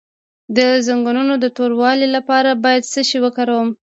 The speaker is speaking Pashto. د زنګونونو د توروالي لپاره باید څه شی وکاروم؟